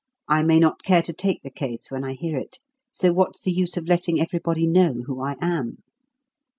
I may not care to take the case when I hear it, so what's the use of letting everybody know who I am?"